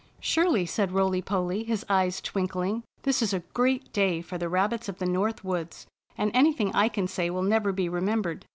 " Surely," said Roily Polly, his eyes twinkling, "this is a great day for the rabbits of the North Woods, and anything I can say will never be re membered.